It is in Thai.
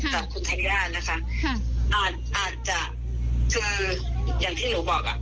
กับคุณธัญญานะคะอาจจะคืออย่างที่หนูบอกอ่ะ